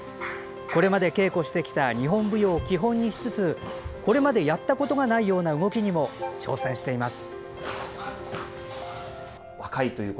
これまで稽古してきた日本舞踊を基本にしつつこれまでやったことがないような動きにも、挑戦しています。